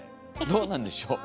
どうなんでしょう？